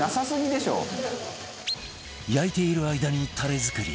焼いている間にタレ作り